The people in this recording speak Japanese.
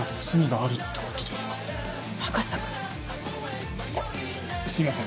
あっすいません。